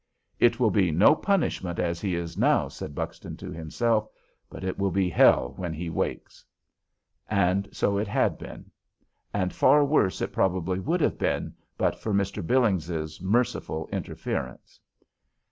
"It will be no punishment as he is now," said Buxton to himself, "but it will be hell when he wakes." And so it had been; and far worse it probably would have been but for Mr. Billings's merciful interference.